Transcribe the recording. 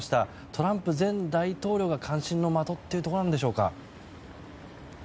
トランプ前大統領が関心の的というところなんでしょうか。